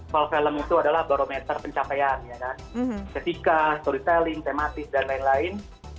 festival film itu adalah barometer pencapaian ya kan ketika storytelling tematis dan lain lain